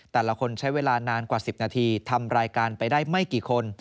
แต่ละคนใช้เวลานานกว่า๑๐นาทีทำรายการไปได้ไม่กี่คน